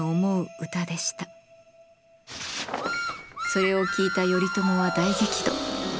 それを聞いた頼朝は大激怒。